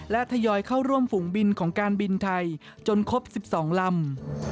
และทยอยเข้าร่วมฝูงบินของการบินไทยจนครบ๑๒ลำ